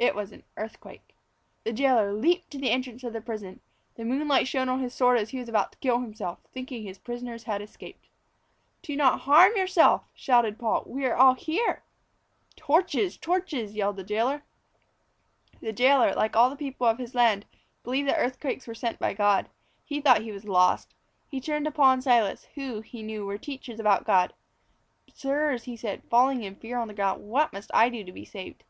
It was an earthquake. The jailor leapt to the entrance of the prison. The moonlight shone on his sword as he was about to kill himself, thinking his prisoners had escaped. "Do not harm yourself," shouted Paul. "We are all here." "Torches! Torches!" yelled the jailor. The jailor, like all the people of his land, believed that earthquakes were sent by God. He thought he was lost. He turned to Paul and Silas who, he knew, were teachers about God. "Sirs," he said, falling in fear on the ground, "what must I do to be saved?"